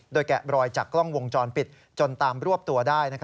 แกะบรอยจากกล้องวงจรปิดจนตามรวบตัวได้